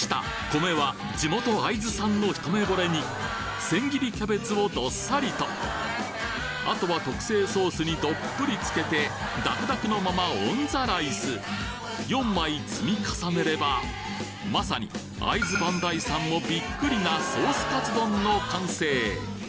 米は地元千切りキャベツをどっさりとあとは特製ソースにどっぷりつけてダクダクのままオンザライス４枚積み重ねればまさに会津磐梯山もびっくりなソースカツ丼の完成